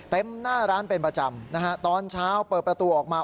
หน้าร้านเป็นประจำนะฮะตอนเช้าเปิดประตูออกมา